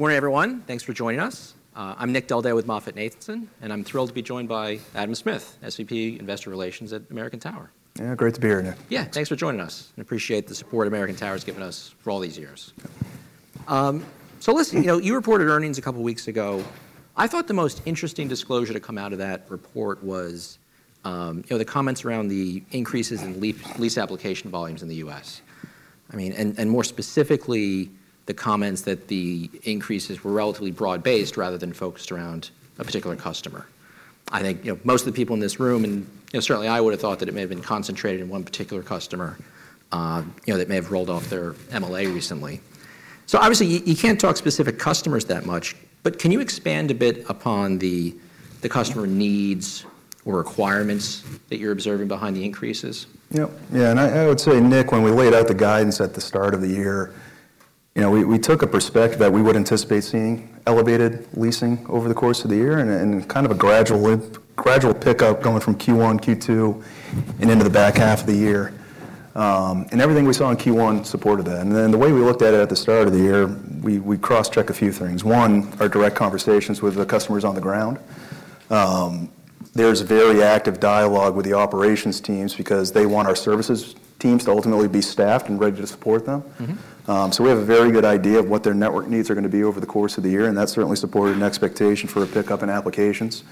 Good morning, everyone. Thanks for joining us. I'm Nick Del Deo with MoffettNathanson, and I'm thrilled to be joined by Adam Smith, SVP, Investor Relations at American Tower. Yeah, great to be here, Nick. Yeah, thanks for joining us. I appreciate the support American Tower has given us for all these years. So, you know, you reported earnings a couple of weeks ago. I thought the most interesting disclosure to come out of that report was, you know, the comments around the increases in lease application volumes in the U.S. I mean, and more specifically, the comments that the increases were relatively broad-based rather than focused around a particular customer. I think, you know, most of the people in this room, and, you know, certainly I would have thought that it may have been concentrated in one particular customer, you know, that may have rolled off their MLA recently. So obviously, you can't talk specific customers that much, but can you expand a bit upon the customer needs or requirements that you're observing behind the increases? Yep. Yeah, and I would say, Nick, when we laid out the guidance at the start of the year, you know, we took a perspective that we would anticipate seeing elevated leasing over the course of the year and kind of a gradual pickup going from Q1, Q2, and into the back half of the year. And everything we saw in Q1 supported that. And then, the way we looked at it at the start of the year, we crosschecked a few things. One, our direct conversations with the customers on the ground. There's very active dialogue with the operations teams because they want our services teams to ultimately be staffed and ready to support them. Mm-hmm. So we have a very good idea of what their network needs are going to be over the course of the year, and that certainly supported an expectation for a pickup in applications.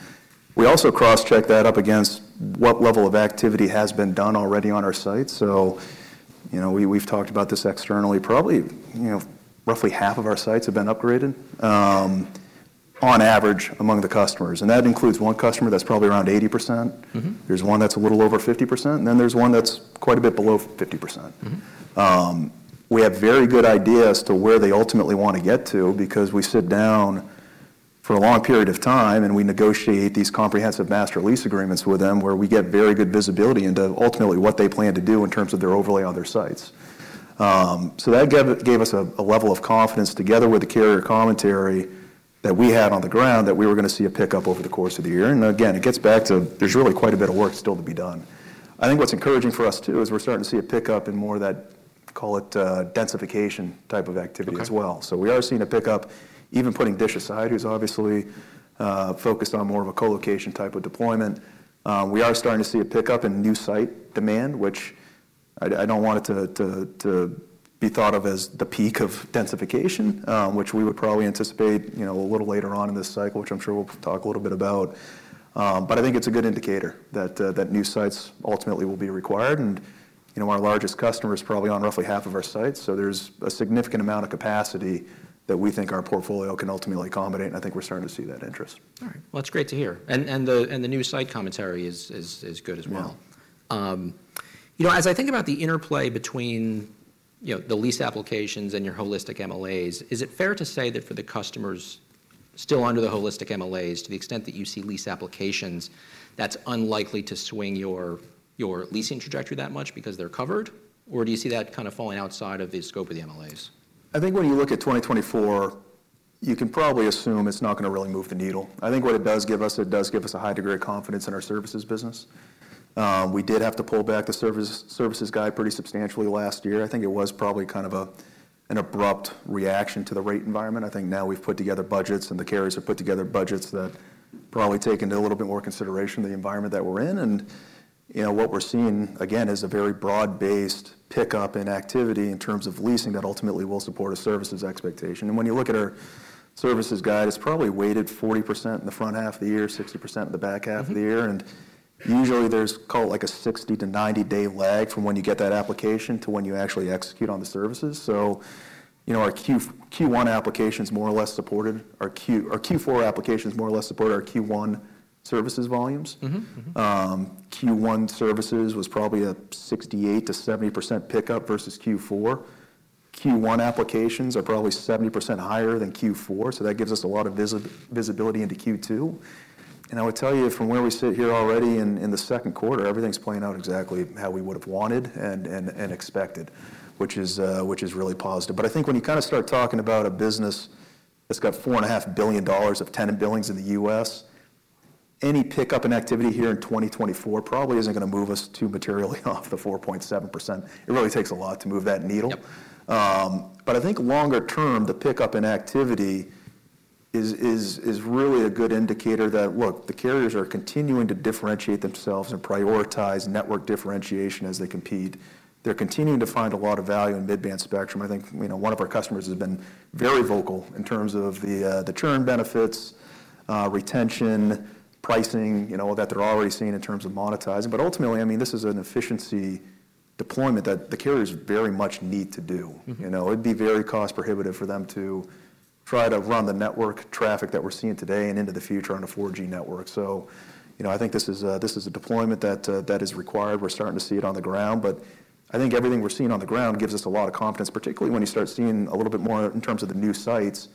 We also cross-checked that up against what level of activity has been done already on our site. So, you know, we, we've talked about this externally. Probably, you know, roughly half of our sites have been upgraded, on average among the customers, and that includes one customer that's probably around 80%. Mm-hmm. There's one that's a little over 50%, and then there's one that's quite a bit below 50%. Mm-hmm. We have very good idea as to where they ultimately want to get to because we sit down for a long period of time, and we negotiate these comprehensive master lease agreements with them, where we get very good visibility into ultimately what they plan to do in terms of their overlay on their sites. So that gave us a level of confidence, together with the carrier commentary that we had on the ground, that we were going to see a pickup over the course of the year. And again, it gets back to, there's really quite a bit of work still to be done. I think what's encouraging for us, too, is we're starting to see a pickup in more of that, call it, densification type of activity as well. Okay. We are seeing a pickup, even putting DISH aside, who's obviously focused on more of a co-location type of deployment. We are starting to see a pickup in new site demand, which I don't want it to be thought of as the peak of densification, which we would probably anticipate, you know, a little later on in this cycle, which I'm sure we'll talk a little bit about. But I think it's a good indicator that that new sites ultimately will be required, and, you know, our largest customer is probably on roughly half of our sites, so there's a significant amount of capacity that we think our portfolio can ultimately accommodate, and I think we're starting to see that interest. All right. Well, that's great to hear, and the new site commentary is good as well. Yeah. You know, as I think about the interplay between, you know, the lease applications and your holistic MLAs, is it fair to say that for the customers still under the holistic MLAs, to the extent that you see lease applications, that's unlikely to swing your leasing trajectory that much because they're covered? Or do you see that kind of falling outside of the scope of the MLAs? I think when you look at 2024, you can probably assume it's not going to really move the needle. I think what it does give us, it does give us a high degree of confidence in our services business. We did have to pull back the services guide pretty substantially last year. I think it was probably kind of an abrupt reaction to the rate environment. I think now we've put together budgets, and the carriers have put together budgets that probably take into a little bit more consideration the environment that we're in, and, you know, what we're seeing, again, is a very broad-based pickup in activity in terms of leasing that ultimately will support a services expectation. And when you look at our services guide, it's probably weighted 40% in the front half of the year, 60% in the back half of the year. Mm-hmm. Usually, there's a 60 to 90-day lag, call it like, from when you get that application to when you actually execute on the services. So, you know, our Q1 application is more or less supported. Our Q4 application is more or less supported by our Q1 services volumes. Mm-hmm, mm-hmm. Q1 services was probably a 68%-70% pickup versus Q4. Q1 applications are probably 70% higher than Q4, so that gives us a lot of visibility into Q2. And I would tell you from where we sit here already in the second quarter, everything's playing out exactly how we would've wanted and expected, which is really positive. But I think when you kind of start talking about a business that's got $4.5 billion of tenant billings in the US, any pickup in activity here in 2024 probably isn't going to move us too materially off the 4.7%. It really takes a lot to move that needle. Yep. But I think longer term, the pickup in activity is really a good indicator that, look, the carriers are continuing to differentiate themselves and prioritize network differentiation as they compete. They're continuing to find a lot of value in mid-band spectrum. I think, you know, one of our customers has been very vocal in terms of the churn benefits, retention, pricing, you know, that they're already seeing in terms of monetizing. But ultimately, I mean, this is an efficiency deployment that the carriers very much need to do. Mm-hmm. You know, it'd be very cost-prohibitive for them to try to run the network traffic that we're seeing today and into the future on a 4G network. So, you know, I think this is a deployment that is required. We're starting to see it on the ground, but I think everything we're seeing on the ground gives us a lot of confidence, particularly when you start seeing a little bit more in terms of the new sites,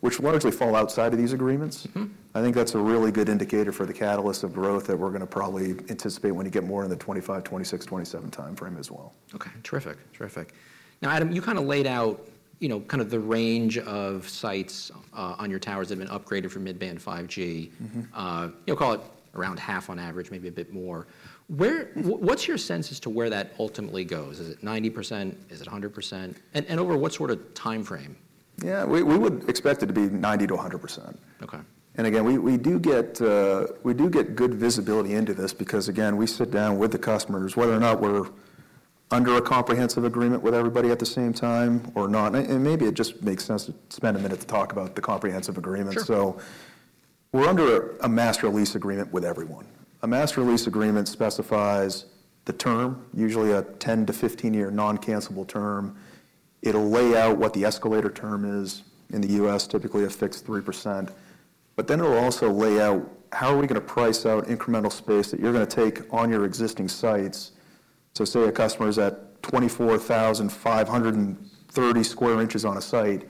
which largely fall outside of these agreements. Mm-hmm. I think that's a really good indicator for the catalyst of growth that we're going to probably anticipate when you get more in the 2025, 2026, 2027 timeframe as well. Okay. Terrific, terrific. Now, Adam, you kind of laid out, you know, kind of the range of sites, on your towers that have been upgraded for mid-band 5G. Mm-hmm. You know, call it around half on average, maybe a bit more. What's your sense as to where that ultimately goes? Is it 90%? Is it 100%? And over what sort of timeframe? Yeah, we would expect it to be 90%-100%. Okay. Again, we do get good visibility into this because, again, we sit down with the customers, whether or not we're under a comprehensive agreement with everybody at the same time or not. And maybe it just makes sense to spend a minute to talk about the comprehensive agreement. Sure. So we're under a Master Lease Agreement with everyone. A Master Lease Agreement specifies the term, usually a 10 to 15-year non-cancellable term. It'll lay out what the escalator term is. In the U.S., typically a fixed 3%, but then it'll also lay out how are we going to price out incremental space that you're going to take on your existing sites. So say a customer is at 24,500 sq in on a site,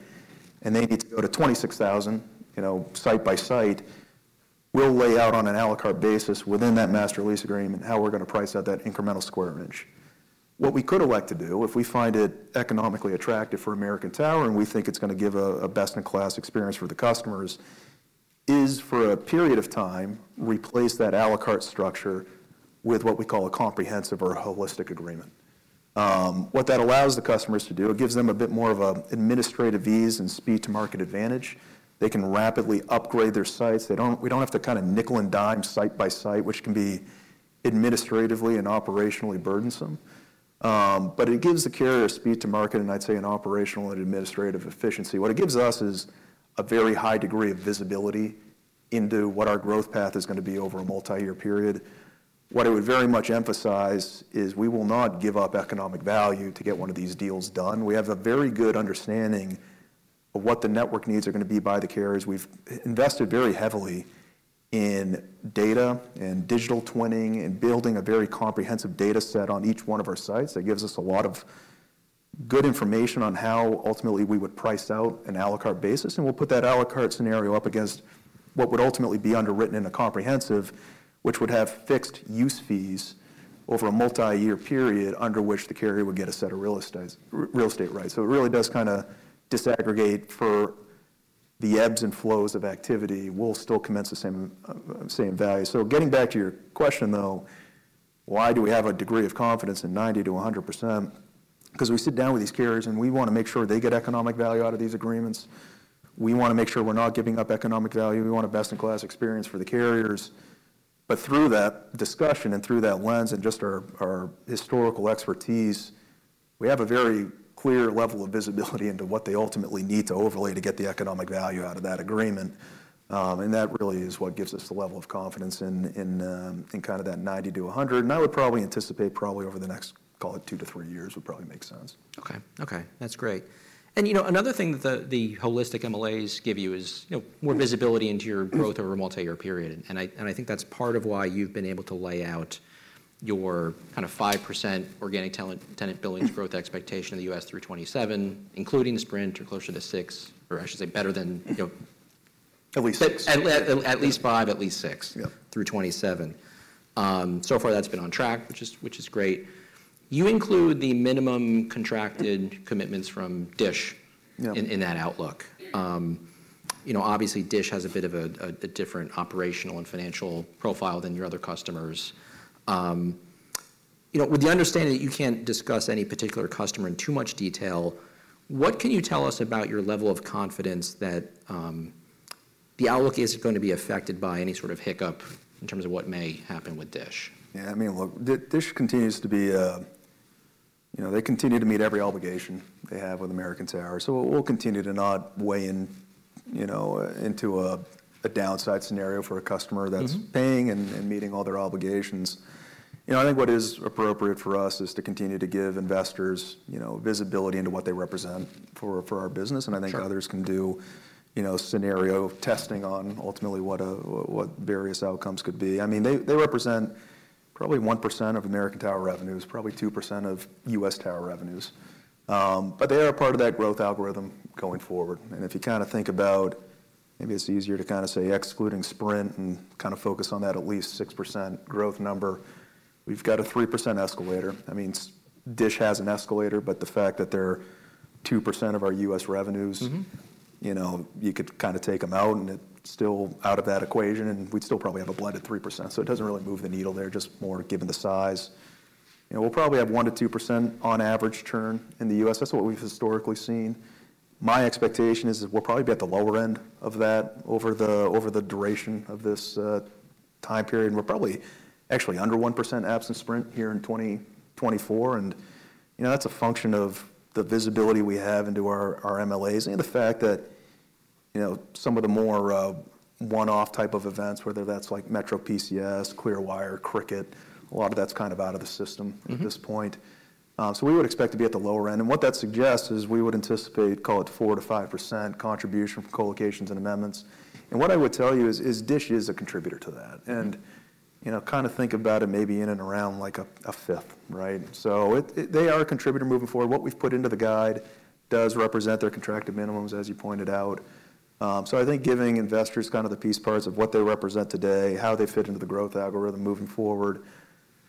and they need to go to 26,000, you know, site by site, we'll lay out on an a la carte basis within that Master Lease Agreement, how we're going to price out that incremental square inch. What we could elect to do, if we find it economically attractive for American Tower, and we think it's going to give a best-in-class experience for the customers, is, for a period of time, replace that a la carte structure with what we call a comprehensive or a holistic agreement. What that allows the customers to do, it gives them a bit more of a administrative ease and speed to market advantage. They can rapidly upgrade their sites. They don't-- We don't have to kind of nickel and dime site by site, which can be administratively and operationally burdensome. But it gives the carrier a speed to market, and I'd say an operational and administrative efficiency. What it gives us is a very high degree of visibility into what our growth path is going to be over a multi-year period. What I would very much emphasize is we will not give up economic value to get one of these deals done. We have a very good understanding of what the network needs are going to be by the carriers. We've invested very heavily in data and digital twinning and building a very comprehensive data set on each one of our sites. That gives us a lot of good information on how ultimately we would price out an a la carte basis, and we'll put that a la carte scenario up against what would ultimately be underwritten in a comprehensive, which would have fixed use fees over a multi-year period, under which the carrier would get a set of real estates, real estate, right? So it really does kind of disaggregate for the ebbs and flows of activity, we'll still commence the same value. So getting back to your question, though, why do we have a degree of confidence in 90%-100%? 'Cause we sit down with these carriers, and we want to make sure they get economic value out of these agreements. We want to make sure we're not giving up economic value. We want a best-in-class experience for the carriers. But through that discussion and through that lens and just our historical expertise, we have a very clear level of visibility into what they ultimately need to overlay to get the economic value out of that agreement. And that really is what gives us the level of confidence in that 90%-100%, and I would probably anticipate probably over the next, call it 2-3 years, would probably make sense. Okay, okay. That's great. And, you know, another thing that the holistic MLAs give you is, you know, more visibility into your growth over a multi-year period, and I think that's part of why you've been able to lay out your kind of 5% organic tenant billings growth expectation in the U.S. through 2027, including Sprint or closer to 6%, or I should say, better than, you know- At least six. At least five, at least six. Yeah... through 2027. So far, that's been on track, which is, which is great. You include the minimum contracted commitments from DISH- Yeah... in that outlook. You know, obviously, DISH has a bit of a different operational and financial profile than your other customers. You know, with the understanding that you can't discuss any particular customer in too much detail, what can you tell us about your level of confidence that the outlook is going to be affected by any sort of hiccup in terms of what may happen with DISH? Yeah, I mean, look, DISH continues to be. You know, they continue to meet every obligation they have with American Tower, so we'll continue to not weigh in, you know, into a downside scenario for a customer- Mm-hmm... that's paying and meeting all their obligations. You know, I think what is appropriate for us is to continue to give investors, you know, visibility into what they represent for our business. Sure. I think others can do, you know, scenario testing on ultimately what various outcomes could be. I mean, they, they represent probably 1% of American Tower revenues, probably 2% of U.S. tower revenues. But they are a part of that growth algorithm going forward. If you kind of think about, maybe it's easier to kind of say, excluding Sprint and kind of focus on that at least 6% growth number. We've got a 3% escalator. I mean, DISH has an escalator, but the fact that they're 2% of our U.S. revenues- Mm-hmm ... you know, you could kind of take them out, and it still out of that equation, and we'd still probably have a blend of 3%, so it doesn't really move the needle there, just more given the size. You know, we'll probably have 1%-2% on average turn in the U.S. That's what we've historically seen. My expectation is we'll probably be at the lower end of that over the duration of this time period, and we're probably actually under 1% absent Sprint here in 2024, and, you know, that's a function of the visibility we have into our MLAs and the fact that, you know, some of the more one-off type of events, whether that's like MetroPCS, Clearwire, Cricket, a lot of that's kind of out of the system- Mm-hmm... at this point. So we would expect to be at the lower end, and what that suggests is we would anticipate, call it 4%-5% contribution from co-locations and amendments. And what I would tell you is, is DISH is a contributor to that and, you know, kind of think about it maybe in and around, like, a fifth, right? So they are a contributor moving forward. What we've put into the guide does represent their contracted minimums, as you pointed out. So I think giving investors kind of the piece parts of what they represent today, how they fit into the growth algorithm moving forward.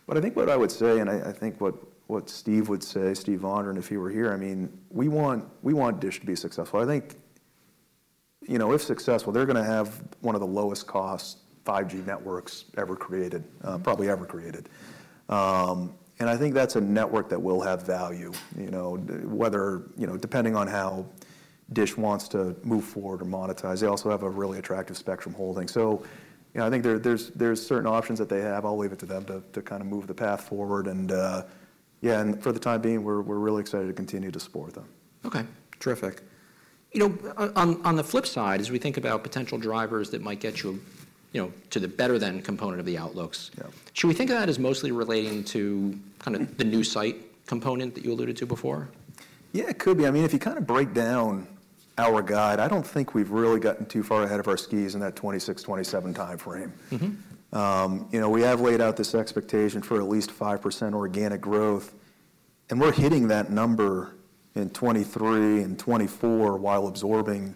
But I think what Steve would say, Steven Vondran, if he were here, I mean, we want DISH to be successful. I think you know, if successful, they're going to have one of the lowest cost 5G networks ever created- Yep.... probably ever created. And I think that's a network that will have value, you know, whether, you know, depending on how DISH wants to move forward or monetize. They also have a really attractive spectrum holding. You know, I think there, there's certain options that they have. I'll leave it to them to kind of move the path forward, and yeah, and for the time being, we're really excited to continue to support them. Okay. Terrific. You know, on the flip side, as we think about potential drivers that might get you, you know, to the better than component of the outlooks- Yeah. Should we think of that as mostly relating to kind of the new site component that you alluded to before? Yeah, it could be. I mean, if you kind of break down our guide, I don't think we've really gotten too far ahead of our skis in that 2026, 2027 timeframe. Mm-hmm. You know, we have laid out this expectation for at least 5% organic growth, and we're hitting that number in 2023 and 2024, while absorbing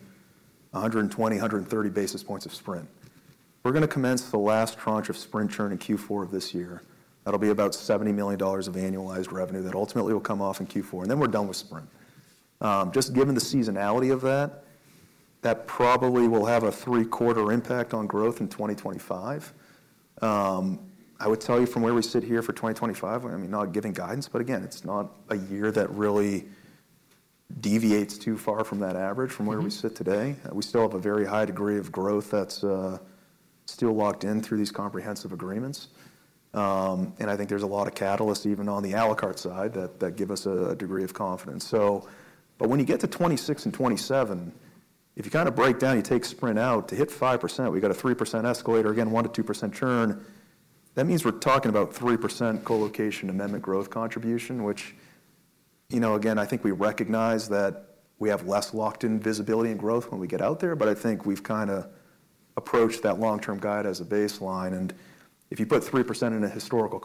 120-130 basis points of Sprint. We're going to commence the last tranche of Sprint churn in Q4 of this year. That'll be about $70 million of annualized revenue that ultimately will come off in Q4, and then we're done with Sprint. Just given the seasonality of that, that probably will have a three-quarter impact on growth in 2025. I would tell you from where we sit here for 2025, I mean, not giving guidance, but again, it's not a year that really deviates too far from that average- Mm-hmm... from where we sit today. We still have a very high degree of growth that's still locked in through these comprehensive agreements. And I think there's a lot of catalysts, even on the a la carte side, that give us a degree of confidence. So but when you get to 2026 and 2027, if you kind of break down, you take Sprint out, to hit 5%, we got a 3% escalator, again, 1%-2% churn. That means we're talking about 3% co-location amendment growth contribution, which, you know, again, I think we recognize that we have less locked-in visibility and growth when we get out there, but I think we've kind of approached that long-term guide as a baseline. And if you put 3% in a historical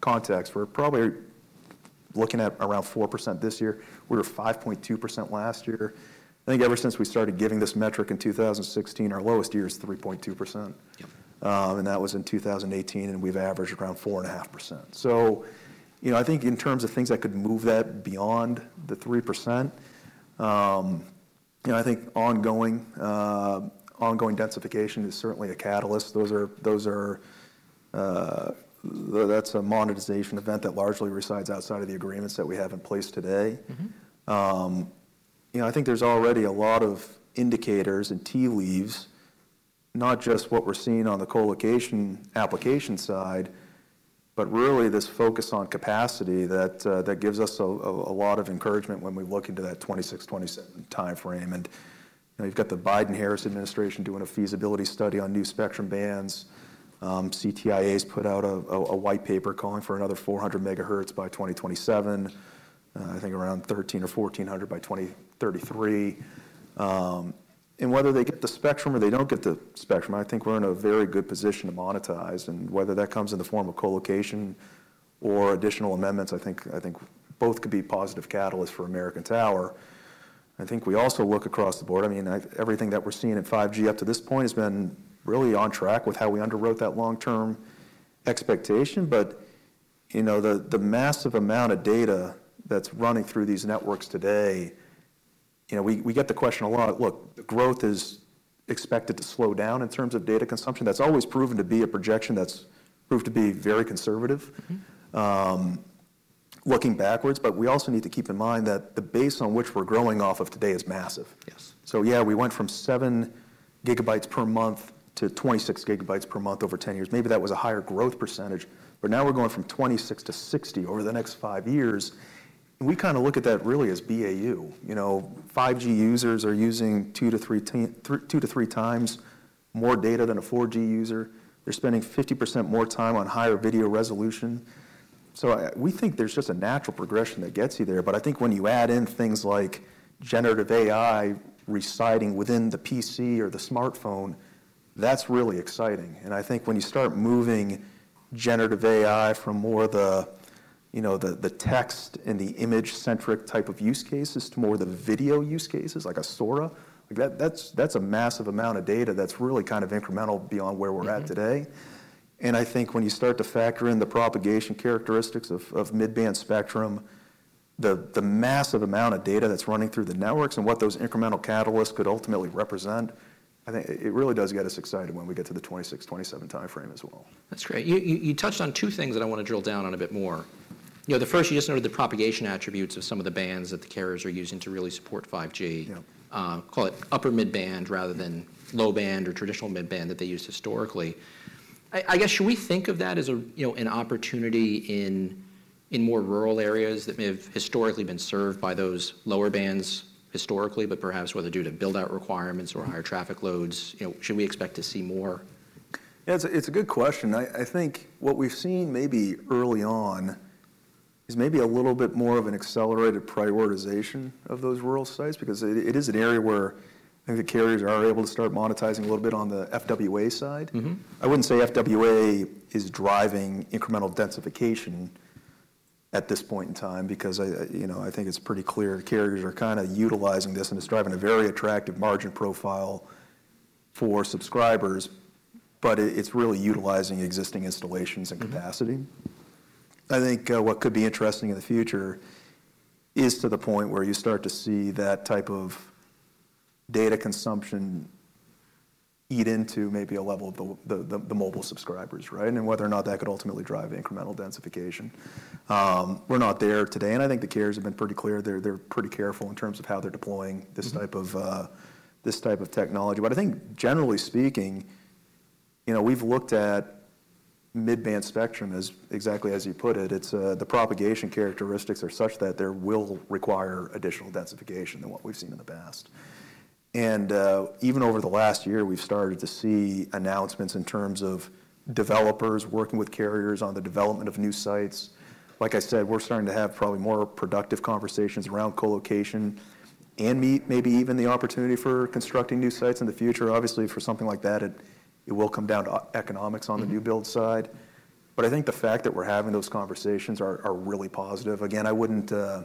context, we're probably looking at around 4% this year. We were 5.2% last year. I think ever since we started giving this metric in 2016, our lowest year is 3.2%. Yeah. And that was in 2018, and we've averaged around 4.5%. So, you know, I think in terms of things that could move that beyond the 3%, you know, I think ongoing densification is certainly a catalyst. Those are, those are, that's a monetization event that largely resides outside of the agreements that we have in place today. Mm-hmm. You know, I think there's already a lot of indicators and tea leaves, not just what we're seeing on the co-location application side, but really this focus on capacity that gives us a lot of encouragement when we look into that 2026-2027 timeframe. And, you know, you've got the Biden-Harris administration doing a feasibility study on new spectrum bands. CTIA's put out a white paper calling for another 400 MHz by 2027, I think around 1,300 or 1,400 by 2033. And whether they get the spectrum or they don't get the spectrum, I think we're in a very good position to monetize, and whether that comes in the form of co-location or additional amendments, I think both could be positive catalysts for American Tower. I think we also look across the board. I mean, everything that we're seeing in 5G up to this point has been really on track with how we underwrote that long-term expectation. But, you know, the massive amount of data that's running through these networks today, you know, we get the question a lot. Look, the growth is expected to slow down in terms of data consumption. That's always proven to be a projection that's proved to be very conservative. Mm-hmm ... looking backwards, but we also need to keep in mind that the base on which we're growing off of today is massive. Yes. Yeah, we went from 7 GB per month to 26 GB per month over 10 years. Maybe that was a higher growth percentage, but now we're going from 26 to 60 over the next 5 years. We kind of look at that really as BAU. You know, 5G users are using 2-3x more data than a 4G user. They're spending 50% more time on higher video resolution. So, we think there's just a natural progression that gets you there, but I think when you add in things like generative AI residing within the PC or the smartphone, that's really exciting, and I think when you start moving generative AI from more the, you know, the text and the image-centric type of use cases to more the video use cases, like a Sora, like that, that's a massive amount of data that's really kind of incremental beyond where we're at today. Mm-hmm. I think when you start to factor in the propagation characteristics of mid-band spectrum, the massive amount of data that's running through the networks and what those incremental catalysts could ultimately represent, I think it really does get us excited when we get to the 2026-2027 timeframe as well. That's great. You touched on two things that I want to drill down on a bit more. You know, the first, you just noted the propagation attributes of some of the bands that the carriers are using to really support 5G. Yeah. Call it upper mid-band rather than low band or traditional mid-band that they used historically. I guess, should we think of that as a, you know, an opportunity in more rural areas that may have historically been served by those lower bands historically, but perhaps whether due to build-out requirements or higher traffic loads, you know, should we expect to see more? Yeah, it's a good question. I think what we've seen maybe early on is maybe a little bit more of an accelerated prioritization of those rural sites because it is an area where maybe the carriers are able to start monetizing a little bit on the FWA side. Mm-hmm. I wouldn't say FWA is driving incremental densification at this point in time because I, you know, I think it's pretty clear the carriers are kind of utilizing this, and it's driving a very attractive margin profile for subscribers, but it's really utilizing existing installations and capacity. I think, what could be interesting in the future is to the point where you start to see that type of data consumption eat into maybe a level of the mobile subscribers, right? And whether or not that could ultimately drive incremental densification. We're not there today, and I think the carriers have been pretty clear. They're pretty careful in terms of how they're deploying this type of technology. But I think generally speaking, you know, we've looked at mid-band spectrum as exactly as you put it. It's the propagation characteristics are such that there will require additional densification than what we've seen in the past. And even over the last year, we've started to see announcements in terms of developers working with carriers on the development of new sites. Like I said, we're starting to have probably more productive conversations around co-location and meet maybe even the opportunity for constructing new sites in the future. Obviously, for something like that, it will come down to economics on the new build side. But I think the fact that we're having those conversations are really positive. Again, I wouldn't, I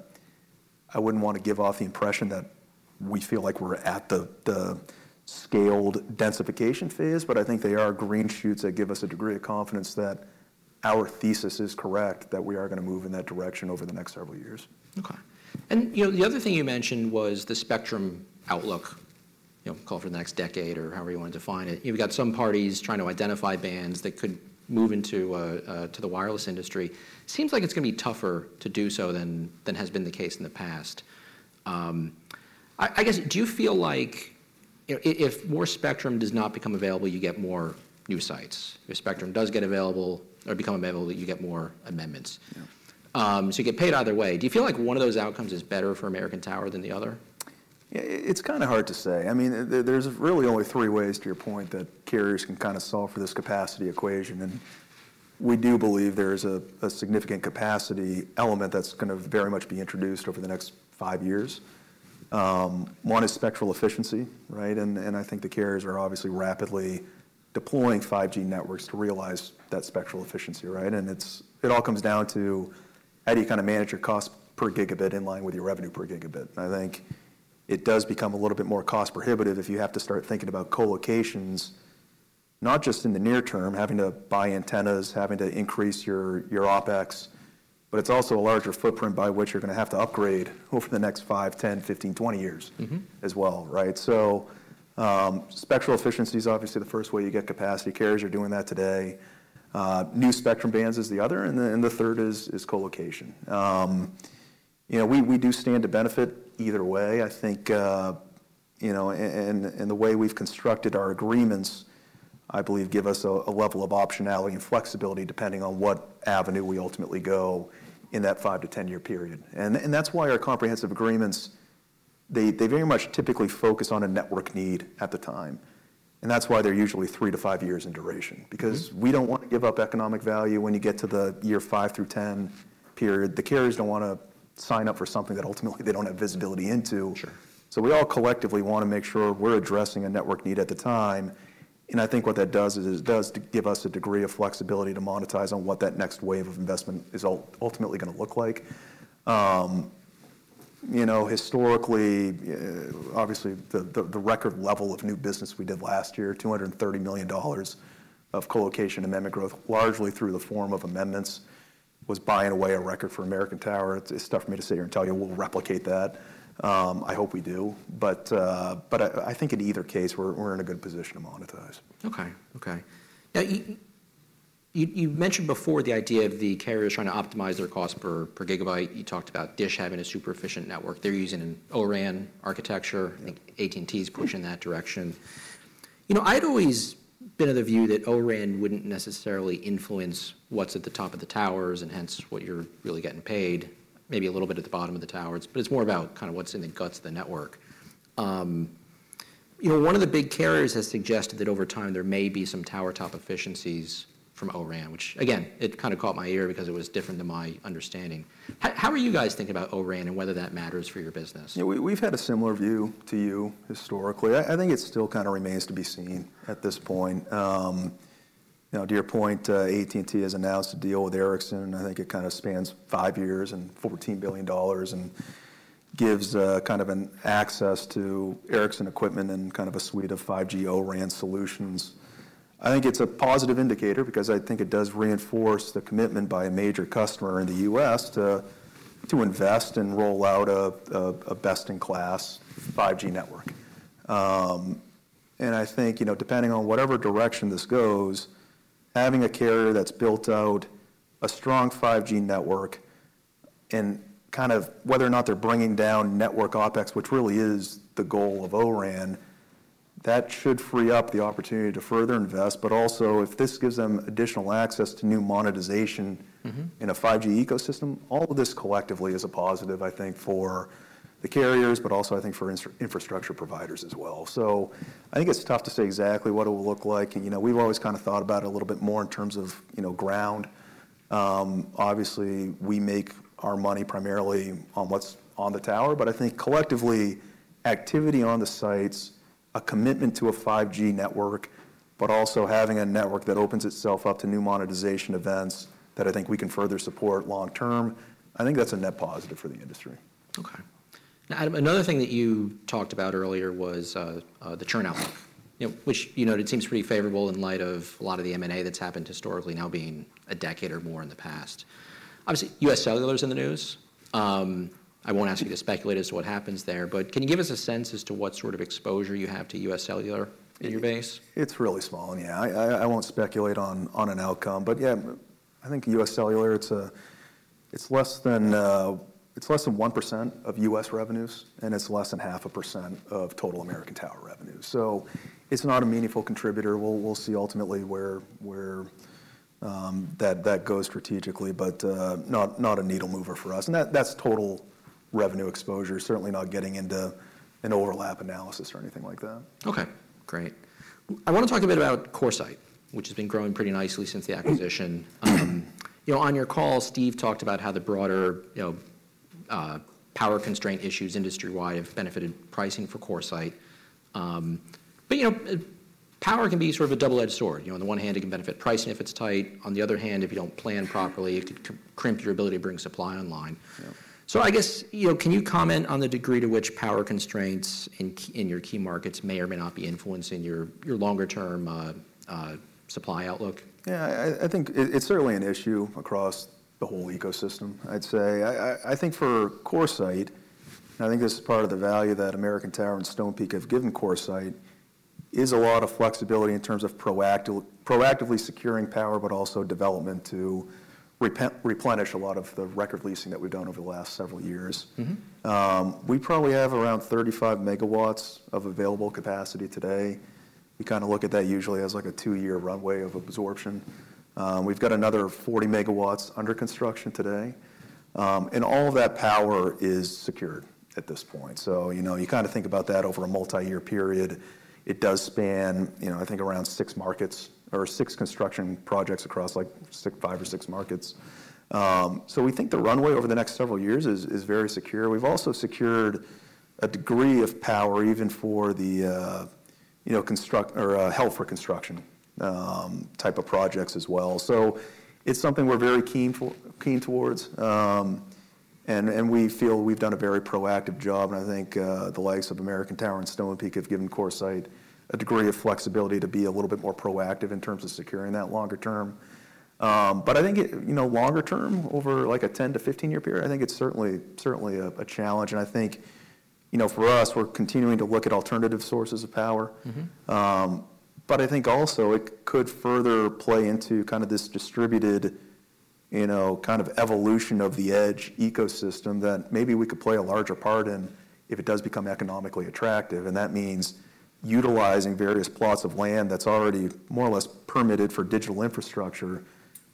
wouldn't want to give off the impression that we feel like we're at the scaled densification phase, but I think they are green shoots that give us a degree of confidence that our thesis is correct, that we are going to move in that direction over the next several years. Okay. And, you know, the other thing you mentioned was the spectrum outlook, you know, called for the next decade or however you want to define it. You've got some parties trying to identify bands that could move into to the wireless industry. Seems like it's going to be tougher to do so than has been the case in the past. I guess, do you feel like, you know, if more spectrum does not become available, you get more new sites? If spectrum does get available or become available, that you get more amendments? Yeah. So, you get paid either way. Do you feel like one of those outcomes is better for American Tower than the other? Yeah, it's kind of hard to say. I mean, there's really only three ways to your point, that carriers can kind of solve for this capacity equation, and we do believe there's a significant capacity element that's going to very much be introduced over the next five years. One is spectral efficiency, right? And I think the carriers are obviously rapidly deploying 5G networks to realize that spectral efficiency, right? And it's... It all comes down to how do you kind of manage your cost per gigabit in line with your revenue per gigabit? I think it does become a little bit more cost prohibitive if you have to start thinking about co-locations, not just in the near term, having to buy antennas, having to increase your OpEx, but it's also a larger footprint by which you're going to have to upgrade over the next 5, 10, 15, 20 years- Mm-hmm... as well, right? So, spectral efficiency is obviously the first way you get capacity. Carriers are doing that today. New spectrum bands is the other, and then, and the third is co-location. You know, we do stand to benefit either way. I think, you know, and the way we've constructed our agreements, I believe, give us a level of optionality and flexibility depending on what avenue we ultimately go in that 5 to 10-year period. And that's why our comprehensive agreements, they very much typically focus on a network need at the time, and that's why they're usually 3-5 years in duration. Mm-hmm. Because we don't want to give up economic value when you get to the year five through 10 period. The carriers don't want to sign up for something that ultimately, they don't have visibility into. Sure. So we all collectively want to make sure we're addressing a network need at the time, and I think what that does is it does give us a degree of flexibility to monetize on what that next wave of investment is ultimately going to look like. You know, historically, obviously, the record level of new business we did last year, $230 million of co-location and amendment growth, largely through the form of amendments, was by a way a record for American Tower. It's tough for me to sit here and tell you we'll replicate that. I hope we do, but, but I think in either case, we're in a good position to monetize. Okay. Okay. Now, you mentioned before the idea of the carriers trying to optimize their cost per gigabyte. You talked about DISH having a super-efficient network. They're using an O-RAN architecture. Yeah. I think AT&T is pushing in that direction. You know, I've always been of the view that O-RAN wouldn't necessarily influence what's at the top of the towers, and hence, what you're really getting paid, maybe a little bit at the bottom of the tower, but it's more about kind of what's in the guts of the network. You know, one of the big carriers has suggested that over time there may be some tower top efficiencies from O-RAN, which again, it kind of caught my ear because it was different than my understanding. How are you guys thinking about O-RAN and whether that matters for your business? Yeah, we've had a similar view to you historically. I think it still kind of remains to be seen at this point. You know, to your point, AT&T has announced a deal with Ericsson, and I think it kind of spans five years and $14 billion and gives kind of an access to Ericsson equipment and kind of a suite of 5G O-RAN solutions. I think it's a positive indicator because I think it does reinforce the commitment by a major customer in the U.S. to invest and roll out a best-in-class 5G network. And I think, you know, depending on whatever direction this goes, having a carrier that's built out a strong 5G network and kind of whether or not they're bringing down network OpEx, which really is the goal of O-RAN, that should free up the opportunity to further invest. But also, if this gives them additional access to new monetization- Mm-hmm... in a 5G ecosystem, all of this collectively is a positive, I think, for the carriers, but also I think for infrastructure providers as well. So I think it's tough to say exactly what it will look like. And you know, we've always kind of thought about it a little bit more in terms of, you know, ground. Obviously, we make our money primarily on what's on the tower, but I think collectively, activity on the sites, a commitment to a 5G network, but also having a network that opens itself up to new monetization events that I think we can further support long term, I think that's a net positive for the industry. Okay. Now, Adam, another thing that you talked about earlier was the churn outlook. You know, which, you know, it seems pretty favorable in light of a lot of the M&A that's happened historically now being a decade or more in the past. Obviously, UScellular is in the news. I won't ask you to speculate as to what happens there, but can you give us a sense as to what sort of exposure you have to UScellular in your base? It's really small. And, yeah, I won't speculate on an outcome, but, yeah, I think UScellular, it's less than 1% of U.S. revenues, and it's less than half the percent of total American Tower revenues. So, it's not a meaningful contributor. We'll see ultimately where that goes strategically, but not a needle mover for us. And that's total revenue exposure, certainly not getting into an overlap analysis or anything like that. Okay, great. I want to talk a bit about CoreSite, which has been growing pretty nicely since the acquisition. You know, on your call, Steve talked about how the broader, you know, power constraint issues industry-wide have benefited pricing for CoreSite. But, you know, power can be sort of a double-edged sword. You know, on the one hand, it can benefit pricing if it's tight. On the other hand, if you don't plan properly, it could crimp your ability to bring supply online. Yeah. I guess, you know, can you comment on the degree to which power constraints in key markets may or may not be influencing your longer-term supply outlook? Yeah, I think it's certainly an issue across the whole ecosystem, I'd say. I think for CoreSite, and I think this is part of the value that American Tower and Stonepeak have given CoreSite, is a lot of flexibility in terms of proactively securing power, but also development to replenish a lot of the record leasing that we've done over the last several years. Mm-hmm. We probably have around 35 MW of available capacity today. We kind of look at that usually as, like, a 2-year runway of absorption. We've got another 40 MW under construction today. And all of that power is secured at this point. So, you know, you kind of think about that over a multiyear period. It does span, you know, I think, around six markets or six construction projects across, like, six, five or six markets. So we think the runway over the next several years is very secure. We've also secured a degree of power even for the, you know, headroom for construction type of projects as well. So it's something we're very keen towards. And, and we feel we've done a very proactive job, and I think, the likes of American Tower and Stonepeak have given CoreSite a degree of flexibility to be a little bit more proactive in terms of securing that longer term. But I think it, you know, longer term, over, like, a 10- to 15-year period, I think it's certainly, certainly a, a challenge, and I think, you know, for us, we're continuing to look at alternative sources of power. Mm-hmm. But I think also it could further play into kind of this distributed, you know, kind of evolution of the edge ecosystem that maybe we could play a larger part in if it does become economically attractive. And that means utilizing various plots of land that's already more or less permitted for digital infrastructure,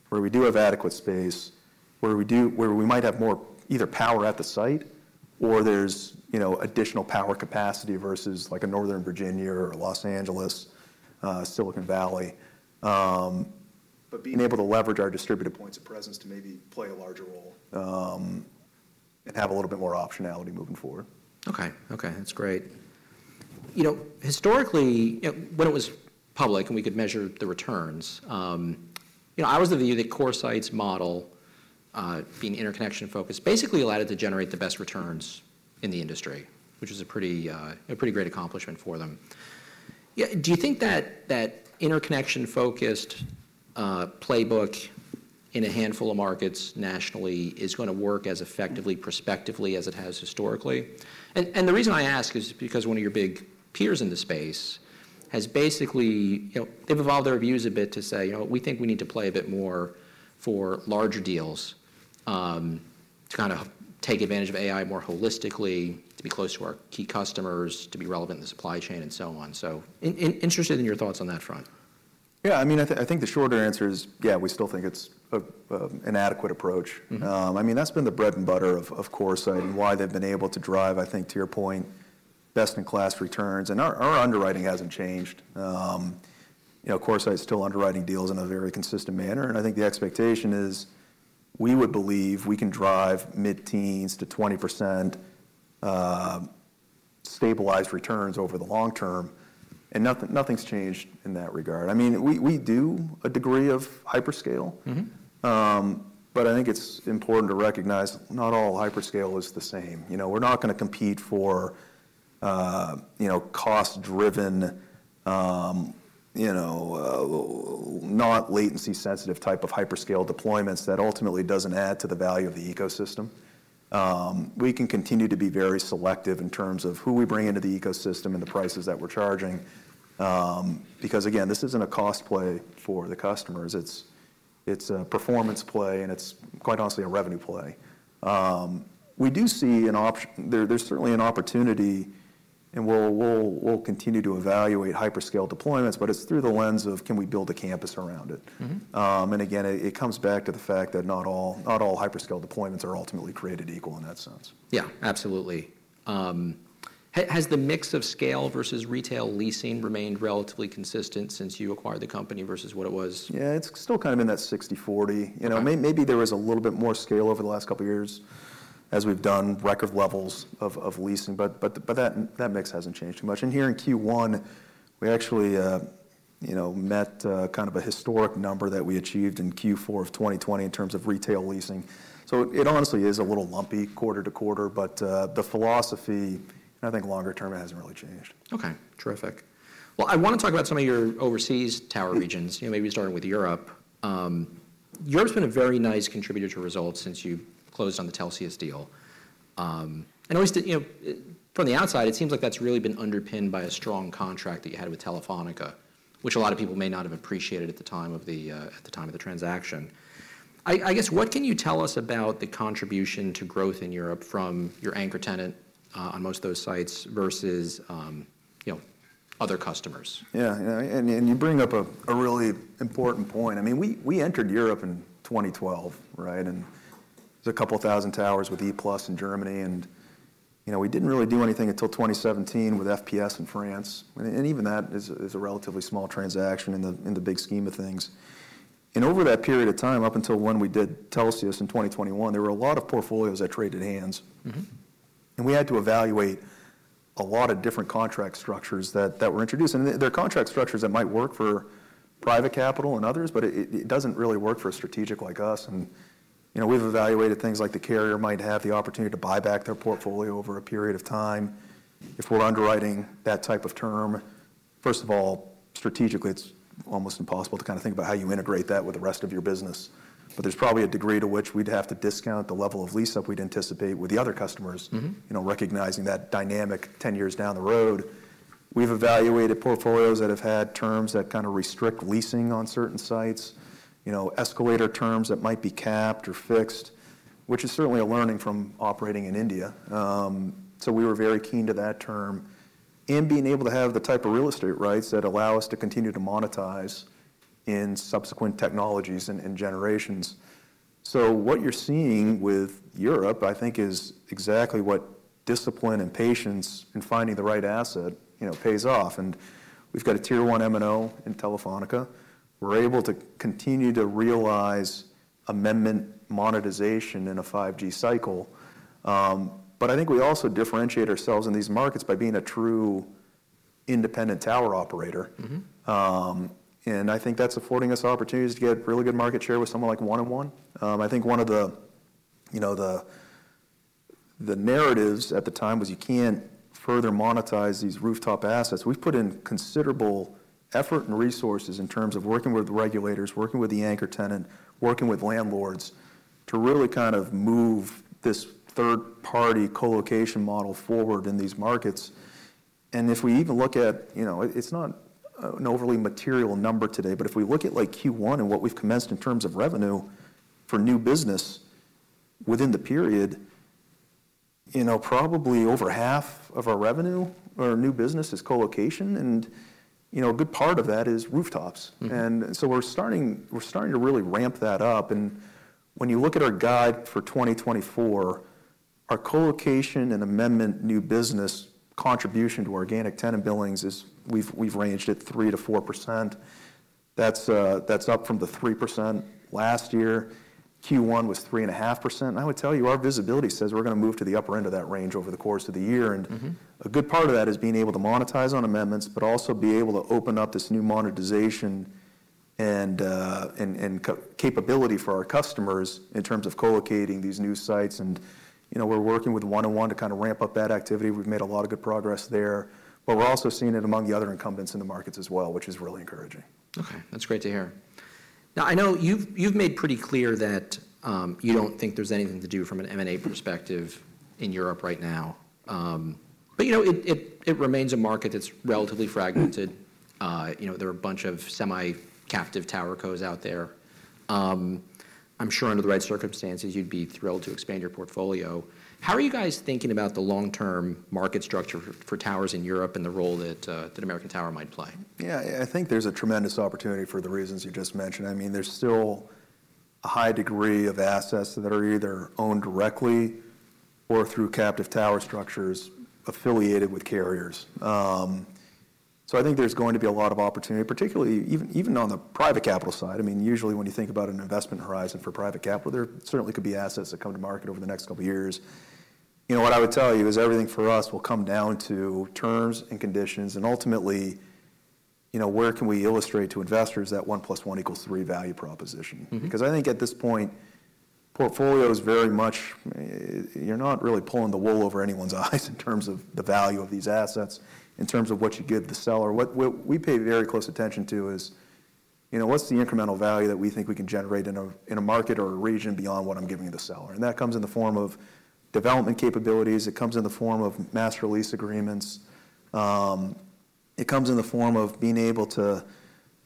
where we do have adequate space, where we might have more either power at the site, or there's, you know, additional power capacity versus, like, a Northern Virginia or Los Angeles, Silicon Valley. But being able to leverage our distributed points of presence to maybe play a larger role, and have a little bit more optionality moving forward. Okay. Okay, that's great. You know, historically, when it was public and we could measure the returns, you know, I was of the view that CoreSite's model, being interconnection-focused, basically allowed it to generate the best returns in the industry, which is a pretty, a pretty great accomplishment for them. Yeah, do you think that, that interconnection-focused playbook in a handful of markets nationally is going to work as effectively prospectively as it has historically? And the reason I ask is because one of your big peers in the space has basically... You know, they've evolved their views a bit to say, "You know, we think we need to play a bit more for larger deals, to kind of take advantage of AI more holistically, to be close to our key customers, to be relevant in the supply chain, and so on." So, interested in your thoughts on that front. Yeah, I mean, I think the shorter answer is, yeah, we still think it's an adequate approach. Mm-hmm. I mean, that's been the bread and butter of CoreSite and why they've been able to drive, I think, to your point, best-in-class returns. And our underwriting hasn't changed. You know, CoreSite is still underwriting deals in a very consistent manner, and I think the expectation is, we would believe we can drive mid-teens to 20%, stabilized returns over the long term, and nothing's changed in that regard. I mean, we, we do a degree of hyperscale. Mm-hmm. But I think it's important to recognize not all hyperscale is the same. You know, we're not going to compete for, you know, cost-driven not latency-sensitive type of hyperscale deployments that ultimately doesn't add to the value of the ecosystem. We can continue to be very selective in terms of who we bring into the ecosystem and the prices that we're charging, because, again, this isn't a cost play for the customers. It's a performance play, and it's, quite honestly, a revenue play. We do see there, there's certainly an opportunity, and we'll continue to evaluate hyperscale deployments, but it's through the lens of "Can we build a campus around it?" Mm-hmm. And again, it comes back to the fact that not all, not all hyperscale deployments are ultimately created equal in that sense. Yeah, absolutely. Has the mix of scale versus retail leasing remained relatively consistent since you acquired the company versus what it was? Yeah, it's still kind of in that 60/40. Okay. You know, maybe there was a little bit more scale over the last couple of years as we've done record levels of leasing, but that mix hasn't changed too much. And here in Q1, we actually you know, met kind of a historic number that we achieved in Q4 of 2020 in terms of retail leasing. So it honestly is a little lumpy quarter-to-quarter, but the philosophy, I think longer term, it hasn't really changed. Okay, terrific. Well, I want to talk about some of your overseas tower regions, you know, maybe starting with Europe. Europe's been a very nice contributor to results since you closed on the Telxius deal. And at least, you know, from the outside, it seems like that's really been underpinned by a strong contract that you had with Telefónica, which a lot of people may not have appreciated at the time of the transaction. I guess, what can you tell us about the contribution to growth in Europe from your anchor tenant, on most of those sites versus, you know, other customers? Yeah, yeah, and you bring up a really important point. I mean, we entered Europe in 2012, right? And there's a couple thousand towers with E-Plus in Germany, and, you know, we didn't really do anything until 2017 with FPS in France. And even that is a relatively small transaction in the big scheme of things. And over that period of time, up until when we did Telxius in 2021, there were a lot of portfolios that traded hands. Mm-hmm. And we had to evaluate a lot of different contract structures that were introduced. And they're contract structures that might work for private capital and others, but it doesn't really work for a strategic like us. And, you know, we've evaluated things like the carrier might have the opportunity to buy back their portfolio over a period of time. If we're underwriting that type of term, first of all, strategically, it's almost impossible to kind of think about how you integrate that with the rest of your business. But there's probably a degree to which we'd have to discount the level of lease-up we'd anticipate with the other customers- Mm-hmm... you know, recognizing that dynamic ten years down the road. We've evaluated portfolios that have had terms that kind of restrict leasing on certain sites, you know, escalator terms that might be capped or fixed, which is certainly a learning from operating in India. So we were very keen to that term, and being able to have the type of real estate rights that allow us to continue to monetize in subsequent technologies and generations. So what you're seeing with Europe, I think, is exactly what discipline and patience in finding the right asset, you know, pays off. And we've got a Tier 1 MNO in Telefónica. We're able to continue to realize amendment monetization in a 5G cycle. But I think we also differentiate ourselves in these markets by being a true independent tower operator. Mm-hmm. And I think that's affording us opportunities to get really good market share with someone like 1&1. I think one of the, you know, the narratives at the time was you can't further monetize these rooftop assets. We've put in considerable effort and resources in terms of working with the regulators, working with the anchor tenant, working with landlords, to really kind of move this third-party co-location model forward in these markets. And if we even look at, you know, it's not an overly material number today, but if we look at, like, Q1 and what we've commenced in terms of revenue for new business within the period, you know, probably over half of our revenue or new business is co-location, and, you know, a good part of that is rooftops. Mm-hmm. So we're starting, we're starting to really ramp that up. When you look at our guide for 2024, our co-location and amendment new business contribution to organic tenant billings is—we've ranged at 3%-4%. That's up from the 3% last year. Q1 was 3.5%, and I would tell you, our visibility says we're going to move to the upper end of that range over the course of the year. Mm-hmm. And a good part of that is being able to monetize on amendments, but also be able to open up this new monetization and capability for our customers in terms of co-locating these new sites. And, you know, we're working with 1&1 to kind of ramp up that activity. We've made a lot of good progress there, but we're also seeing it among the other incumbents in the markets as well, which is really encouraging. Okay, that's great to hear. Now, I know you've made pretty clear that, you don't think there's anything to do from an M&A perspective in Europe right now. But, you know, it remains a market that's relatively fragmented. You know, there are a bunch of semi-captive tower cos out there. I'm sure under the right circumstances, you'd be thrilled to expand your portfolio. How are you guys thinking about the long-term market structure for towers in Europe and the role that American Tower might play? Yeah, I think there's a tremendous opportunity for the reasons you just mentioned. I mean, there's still a high degree of assets that are either owned directly or through captive tower structures affiliated with carriers. So I think there's going to be a lot of opportunity, particularly even, even on the private capital side. I mean, usually when you think about an investment horizon for private capital, there certainly could be assets that come to market over the next couple of years. You know, what I would tell you is everything for us will come down to terms and conditions, and ultimately, you know, where can we illustrate to investors that 1 + 1 = 3 value proposition? Mm-hmm. Because I think at this point, portfolio is very much... You're not really pulling the wool over anyone's eyes in terms of the value of these assets, in terms of what you give the seller. What we pay very close attention to is, you know, what's the incremental value that we think we can generate in a market or a region beyond what I'm giving the seller? And that comes in the form of development capabilities. It comes in the form of master lease agreements. It comes in the form of being able to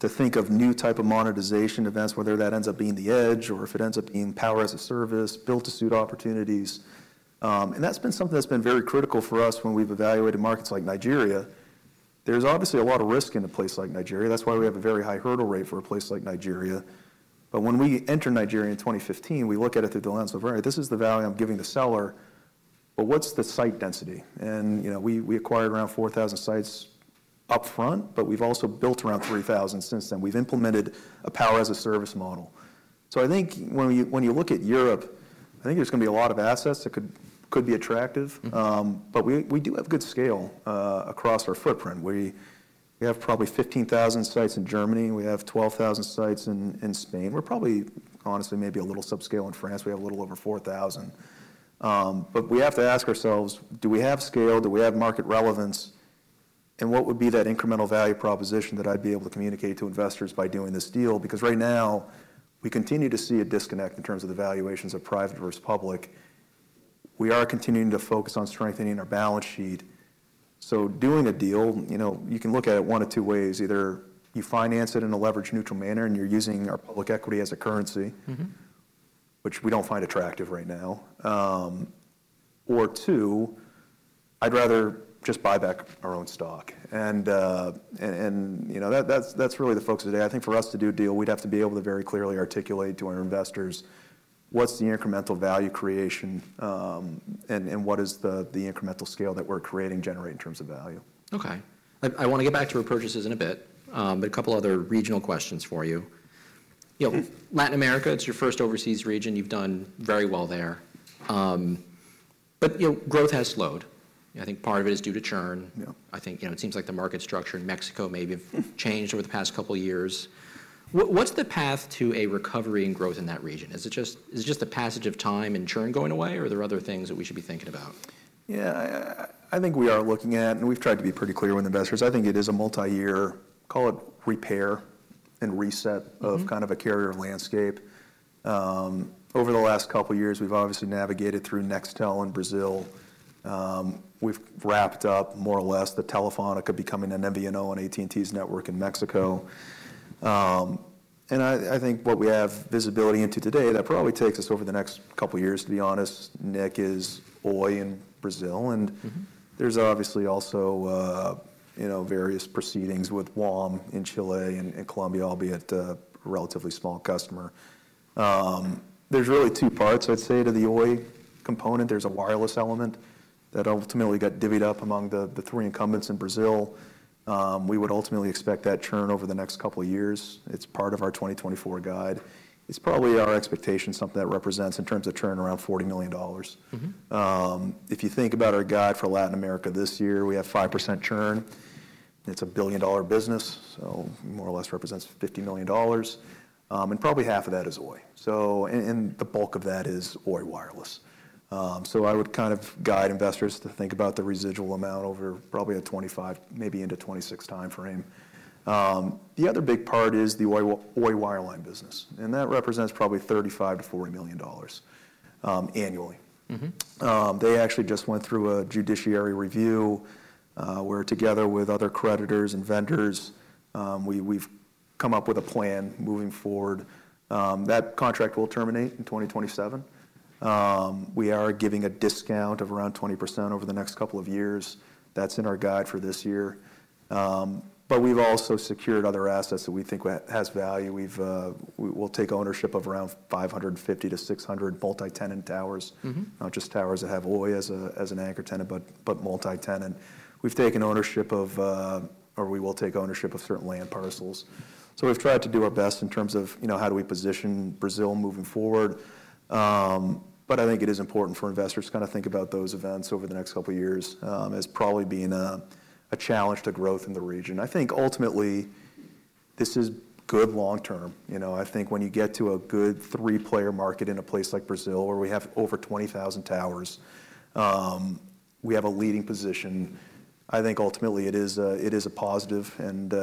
think of new type of monetization events, whether that ends up being the edge or if it ends up being power as a service, build-to-suit opportunities. And that's been something that's been very critical for us when we've evaluated markets like Nigeria. There's obviously a lot of risk in a place like Nigeria. That's why we have a very high hurdle rate for a place like Nigeria. But when we entered Nigeria in 2015, we looked at it through the lens of, all right, this is the value I'm giving the seller, but what's the site density? And, you know, we, we acquired around 4,000 sites upfront, but we've also built around 3,000 since then. We've implemented a power-as-a-service model. So I think when you, when you look at Europe, I think there's going to be a lot of assets that could be attractive. Mm-hmm. But we do have good scale across our footprint. We have probably 15,000 sites in Germany, and we have 12,000 sites in Spain. We're probably honestly maybe a little subscale in France. We have a little over 4,000. We have to ask ourselves: Do we have scale? Do we have market relevance? And what would be that incremental value proposition that I'd be able to communicate to investors by doing this deal? Because right now, we continue to see a disconnect in terms of the valuations of private versus public. We are continuing to focus on strengthening our balance sheet, so doing a deal, you know, you can look at it one of two ways: either you finance it in a leverage-neutral manner, and you're using our public equity as a currency- Mm-hmm... which we don't find attractive right now. Or two, I'd rather just buy back our own stock. You know, that's really the focus today. I think for us to do a deal, we'd have to be able to very clearly articulate to our investors what's the incremental value creation, and what is the incremental scale that we're creating generate in terms of value. Okay. I want to get back to repurchases in a bit, but a couple other regional questions for you. Mm-hmm. You know, Latin America, it's your first overseas region. You've done very well there. But, you know, growth has slowed, and I think part of it is due to churn. Yeah. I think, you know, it seems like the market structure in Mexico maybe changed over the past couple of years. What's the path to a recovery and growth in that region? Is it just the passage of time and churn going away, or are there other things that we should be thinking about? Yeah, I think we are looking at, and we've tried to be pretty clear with investors, I think it is a multiyear, call it repair and reset- Mm-hmm... of kind of a carrier landscape. Over the last couple of years, we've obviously navigated through Nextel in Brazil. We've wrapped up more or less the Telefónica becoming an MVNO on AT&T's network in Mexico. I think what we have visibility into today, that probably takes us over the next couple of years, to be honest, Nick, is Oi in Brazil, and- Mm-hmm... there's obviously also, you know, various proceedings with WOM in Chile and, and Colombia, albeit a relatively small customer. There's really two parts, I'd say, to the Oi component. There's a wireless element that ultimately got divvied up among the, the three incumbents in Brazil. We would ultimately expect that churn over the next couple of years. It's part of our 2024 guide. It's probably our expectation, something that represents in terms of churn, around $40 million. Mm-hmm. If you think about our guide for Latin America this year, we have 5% churn. It's a billion-dollar business, so more or less represents $50 million, and probably half of that is Oi. So the bulk of that is Oi Wireless. So I would kind of guide investors to think about the residual amount over probably a 2025, maybe into 2026 timeframe. The other big part is the Oi Wireline business, and that represents probably $35 million-$40 million, annually. Mm-hmm. They actually just went through a judicial review, where together with other creditors and vendors, we've come up with a plan moving forward. That contract will terminate in 2027. We are giving a discount of around 20% over the next couple of years. That's in our guide for this year. But we've also secured other assets that we think has value. We will take ownership of around 550-600 multi-tenant towers. Mm-hmm. Not just towers that have Oi as an anchor tenant, but multi-tenant. We've taken ownership of, or we will take ownership of certain land parcels. So we've tried to do our best in terms of, you know, how do we position Brazil moving forward? But I think it is important for investors to kind of think about those events over the next couple of years, as probably being a challenge to growth in the region. I think ultimately, this is good long term. You know, I think when you get to a good three-player market in a place like Brazil, where we have over 20,000 towers, we have a leading position. I think ultimately it is a, it is a positive, and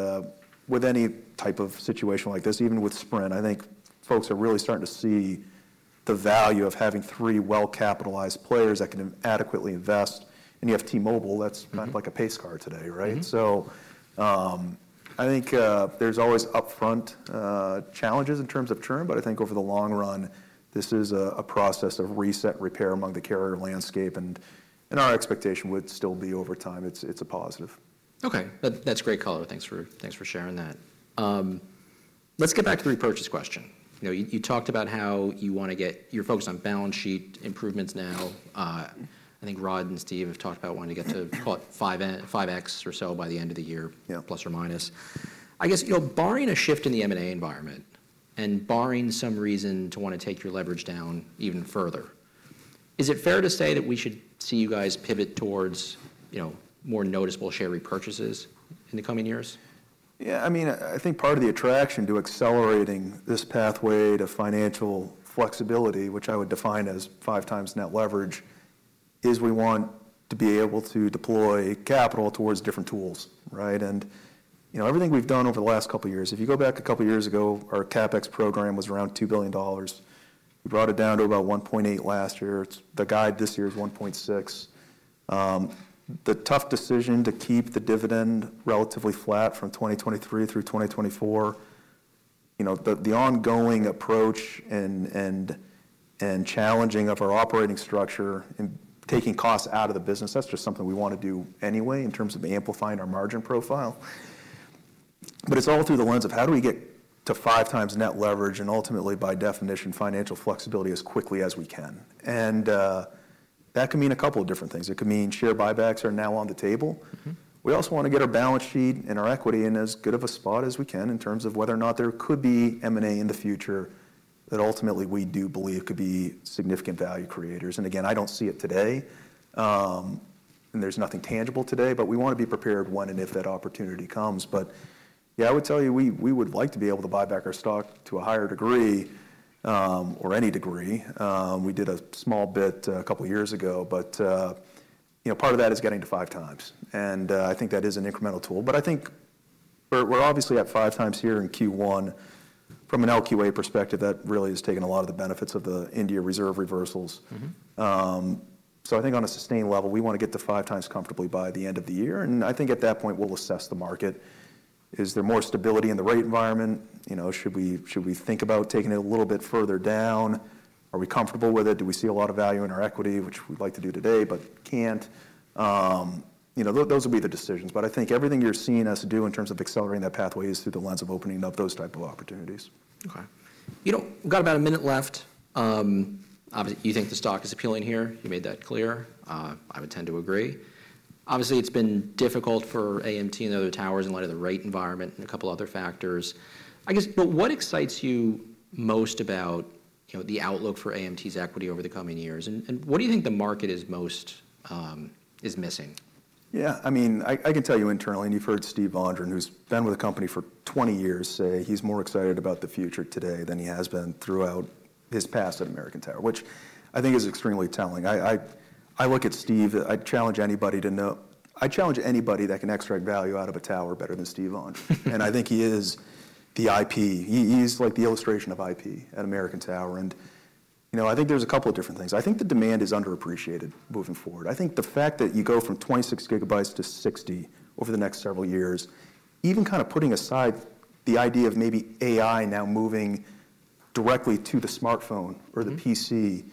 with any type of situation like this, even with Sprint, I think folks are really starting to see the value of having three well-capitalized players that can adequately invest. And you have T-Mobile, that's- Mm-hmm... kind of like a pace car today, right? Mm-hmm. I think there's always upfront challenges in terms of churn, but I think over the long run, this is a process of reset and repair among the carrier landscape, and our expectation would still be over time, it's a positive. Okay. That's a great color. Thanks for sharing that. Let's get back to the repurchase question. You know, you, you talked about how you want to get, you're focused on balance sheet improvements now. I think Rod and Steve have talked about wanting to get to... call it 5x or so by the end of the year- Yeah... plus or minus. I guess, you know, barring a shift in the M&A environment and barring some reason to want to take your leverage down even further, is it fair to say that we should see you guys pivot towards, you know, more noticeable share repurchases in the coming years? Yeah, I mean, I think part of the attraction to accelerating this pathway to financial flexibility, which I would define as 5x net leverage, is we want to be able to deploy capital towards different tools, right? And, you know, everything we've done over the last couple of years, if you go back a couple of years ago, our CapEx program was around $2 billion. We brought it down to about $1.8 billion last year. It's the guide this year is $1.6 billion. The tough decision to keep the dividend relatively flat from 2023 through 2024, you know, the ongoing approach and challenging of our operating structure and taking costs out of the business, that's just something we want to do anyway in terms of amplifying our margin profile. But it's all through the lens of: How do we get to 5x net leverage, and ultimately, by definition, financial flexibility as quickly as we can? That could mean a couple of different things. It could mean share buybacks are now on the table. Mm-hmm. We also want to get our balance sheet and our equity in as good of a spot as we can in terms of whether or not there could be M&A in the future, that ultimately, we do believe could be significant value creators. And again, I don't see it today, and there's nothing tangible today, but we want to be prepared when and if that opportunity comes. But yeah, I would tell you, we, we would like to be able to buy back our stock to a higher degree, or any degree. We did a small bit a couple of years ago, but, you know, part of that is getting to 5x, and, I think that is an incremental tool. But I think we're, we're obviously at 5x here in Q1. From an LQA perspective, that really has taken a lot of the benefits of the India reserve reversals. Mm-hmm. So I think on a sustained level, we want to get to 5x comfortably by the end of the year, and I think at that point, we'll assess the market. Is there more stability in the rate environment? You know, should we, should we think about taking it a little bit further down? Are we comfortable with it? Do we see a lot of value in our equity, which we'd like to do today, but can't? You know, those will be the decisions, but I think everything you're seeing us do in terms of accelerating that pathway is through the lens of opening up those type of opportunities. Okay. You know, we've got about a minute left. Obviously, you think the stock is appealing here. You made that clear. I would tend to agree. Obviously, it's been difficult for AMT and other towers in light of the rate environment and a couple of other factors, I guess, but what excites you most about, you know, the outlook for AMT's equity over the coming years? And what do you think the market is most missing? Yeah, I mean, I can tell you internally, and you've heard Steve Vondran, who's been with the company for 20 years, say he's more excited about the future today than he has been throughout his past at American Tower, which I think is extremely telling. I look at Steve, I'd challenge anybody to know. I challenge anybody that can extract value out of a tower better than Steve Vondran. And I think he is the IP. He's like the illustration of IP at American Tower. And, you know, I think there's a couple of different things. I think the demand is underappreciated moving forward. I think the fact that you go from 26 GB to 60 GB over the next several years, even kind of putting aside the idea of maybe AI now moving directly to the smartphone- Mm-hmm... or the PC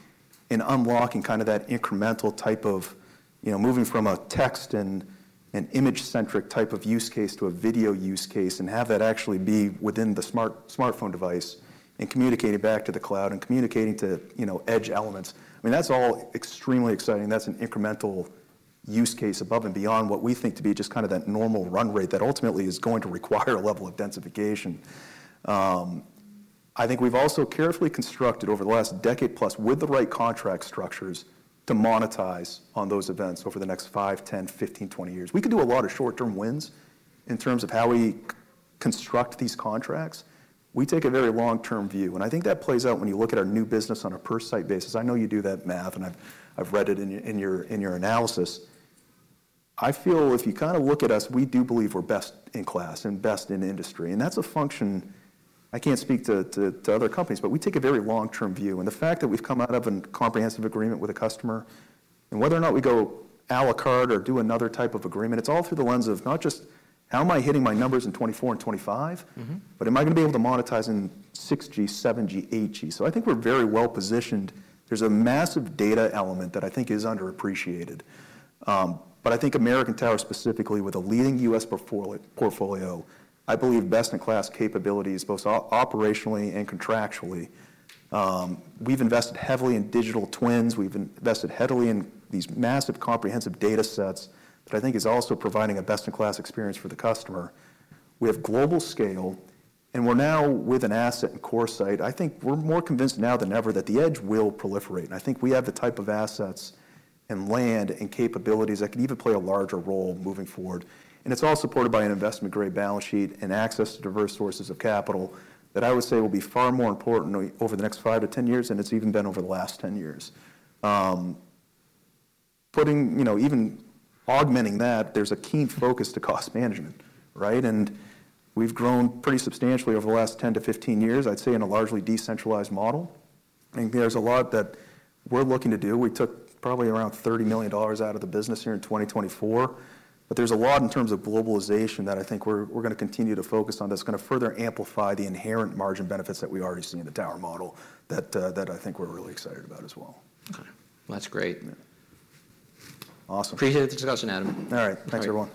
and unlocking kind of that incremental type of, you know, moving from a text and an image-centric type of use case to a video use case and have that actually be within the smartphone device and communicate it back to the cloud and communicating to, you know, edge elements. I mean, that's all extremely exciting. That's an incremental use case above and beyond what we think to be just kind of that normal run rate that ultimately is going to require a level of densification. I think we've also carefully constructed over the last decade plus with the right contract structures to monetize on those events over the next 5, 10, 15, 20 years. We can do a lot of short-term wins in terms of how we construct these contracts. We take a very long-term view, and I think that plays out when you look at our new business on a per site basis. I know you do that math, and I've read it in your analysis. I feel if you kind of look at us, we do believe we're best in class and best in industry, and that's a function. I can't speak to other companies, but we take a very long-term view. And the fact that we've come out of a comprehensive agreement with a customer, and whether or not we go à la carte or do another type of agreement, it's all through the lens of not just, "How am I hitting my numbers in 2024 and 2025? Mm-hmm. Am I going to be able to monetize in 6G, 7G, 8G?" So I think we're very well-positioned. There's a massive data element that I think is underappreciated. But I think American Tower, specifically with a leading U.S. portfolio, I believe best-in-class capabilities, both operationally and contractually. We've invested heavily in digital twins. We've invested heavily in these massive comprehensive data sets that I think is also providing a best-in-class experience for the customer. We have global scale, and we're now with an asset and CoreSite. I think we're more convinced now than ever that the edge will proliferate, and I think we have the type of assets and land and capabilities that can even play a larger role moving forward. And it's all supported by an investment-grade balance sheet and access to diverse sources of capital that I would say will be far more important over the next 5-10 years than it's even been over the last 10 years. You know, even augmenting that, there's a keen focus to cost management, right? And we've grown pretty substantially over the last 10-15 years, I'd say, in a largely decentralized model. I think there's a lot that we're looking to do. We took probably around $30 million out of the business here in 2024, but there's a lot in terms of globalization that I think we're going to continue to focus on, that's going to further amplify the inherent margin benefits that we already see in the tower model that I think we're really excited about as well. Okay. Well, that's great. Awesome. Appreciate the discussion, Adam. All right. Thanks, everyone.